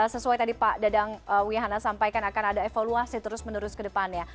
sesuai tadi pak dadang wihana sampaikan akan ada evaluasi terus menerus ke depannya